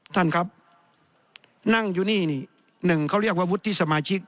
ท่านครับนั่งอยู่นี่นี่หนึ่งเขาเรียกว่าวุฒิสมาชิก